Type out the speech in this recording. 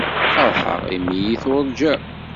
Feṛḥeɣ imi iyi-tuṛǧam.